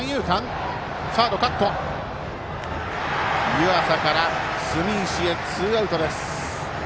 湯浅から住石へ、ツーアウトです。